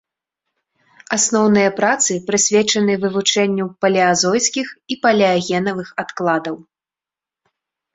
Асноўныя працы прысвечаны вывучэнню палеазойскіх і палеагенавых адкладаў.